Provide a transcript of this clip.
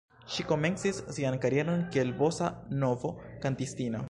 Ŝi komencis sian karieron kiel bosanovo-kantistino.